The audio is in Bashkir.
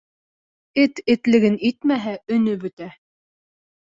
Эт этлеген итмәһә, өнө бөтә.